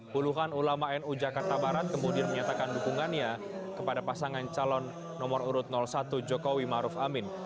puluhan ulama nu jakarta barat kemudian menyatakan dukungannya kepada pasangan calon nomor urut satu jokowi maruf amin